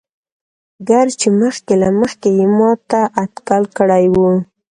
ګر چې مخکې له مخکې يې ما دا اتکل کړى وو.